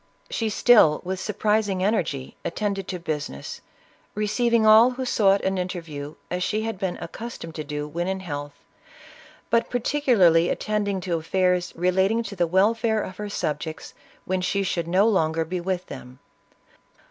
She still, with surprising energy, attended to business, receiving all who sought an interview as she had been accustomed to do when in health, but particularly at tending to affairs relating to the welfare of her subjects when she should no longer be with them.